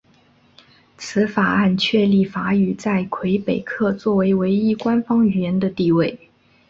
此法案确立法语在魁北克作为唯一官方语言的地位。